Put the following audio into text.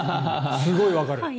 すごいわかる。